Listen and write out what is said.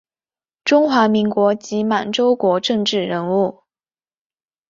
中华民国及满洲国政治人物。